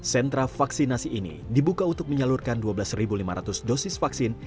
sentra vaksinasi ini dibuka untuk menyalurkan dua belas lima ratus dosis vaksin